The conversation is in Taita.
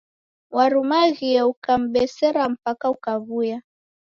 Warumaghie ukim'besera mpaka ukaw'uya.